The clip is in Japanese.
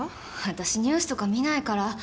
私ニュースとか見ないから。